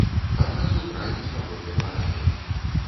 Адразу правіць паводле парады.